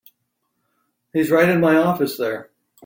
He's right in my office there.